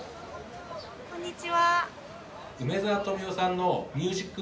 こんにちは。